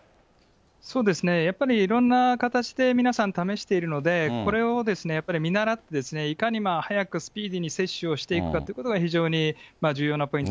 そうですね、やっぱりいろんな形で皆さん、試しているので、これをやっぱり見習って、いかに速くスピーディーに接種をしていくかというところが非常に重要なポイント。